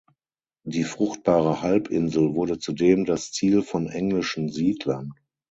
Die fruchtbare Halbinsel wurde zudem das Ziel von englischen Siedlern.